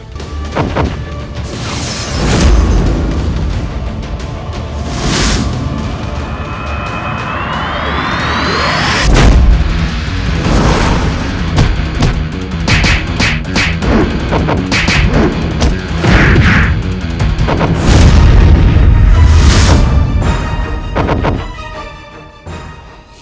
aku bukanlah seorang pencuri